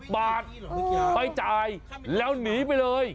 บาทไปจ่ายแล้วหนีไปเลย